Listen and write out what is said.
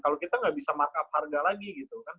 kalau kita nggak bisa markup harga lagi gitu kan